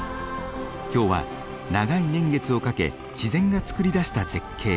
今日は長い年月をかけ自然がつくり出した絶景